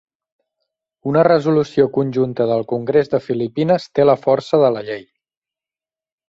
Una resolució conjunta del Congrés de Filipines té la força de la llei.